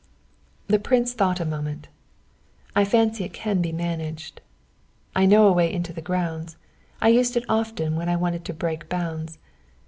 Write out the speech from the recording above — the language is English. The prince thought a moment. "I fancy it can be managed. I know a way into the grounds. I used it often when I wanted to break bounds.